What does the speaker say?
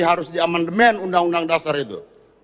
harus diamandemen undang undang dasar itu